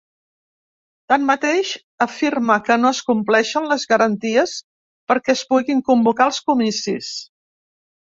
Tanmateix, afirma que no es compleixen les garanties perquè es puguin convocar els comicis.